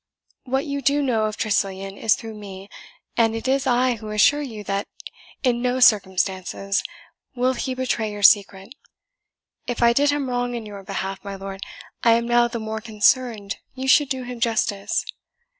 What you do know of Tressilian is through me, and it is I who assure you that in no circumstances will he betray your secret. If I did him wrong in your behalf, my lord, I am now the more concerned you should do him justice.